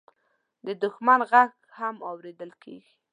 د دښمن غږ هم اورېدل کېږي.